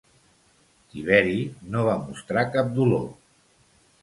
Tiberi no va mostrar cap dolor.